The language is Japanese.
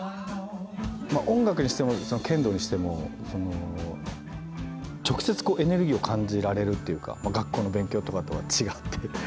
音楽にしても剣道にしても直接エネルギーを感じられるというか学校の勉強とかとは違って。